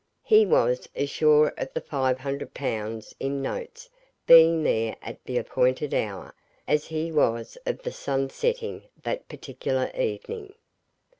He was as sure of the 500 Pounds in notes being there at the appointed hour as he was of the sun setting that particular evening.